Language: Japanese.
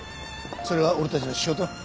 それが俺たちの仕事だ。